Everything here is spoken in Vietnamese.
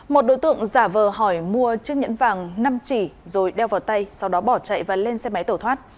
một đối tượng giả vờ hỏi mua chiếc nhẫn vàng năm chỉ rồi đeo vào tay sau đó bỏ chạy và lên xe máy tổ thoát